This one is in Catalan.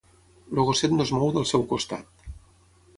El gosset no es mou del seu costat.